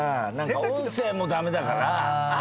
音声も駄目だから。